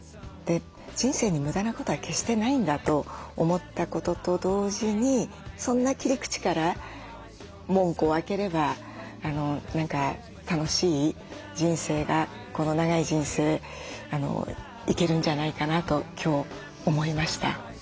人生に無駄なことは決してないんだと思ったことと同時にそんな切り口から門戸を開ければ楽しい人生がこの長い人生いけるんじゃないかなと今日思いました。